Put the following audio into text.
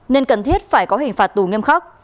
nên cần thiết phải có hình phạt tù nghiêm khắc